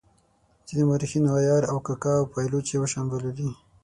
ځینو مورخینو عیار او کاکه او پایلوچ یو شان بللي.